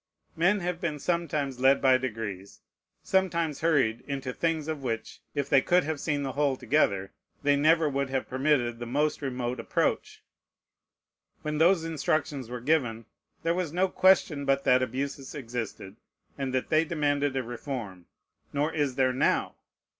Men have been sometimes led by degrees, sometimes hurried, into things of which, if they could have seen the whole together, they never would have permitted the most remote approach. When those instructions were given, there was no question but that abuses existed, and that they demanded a reform: nor is there now.